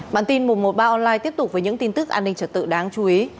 bản tin mùa một ba online tiếp tục với những tin tức an ninh trật tự đáng chú ý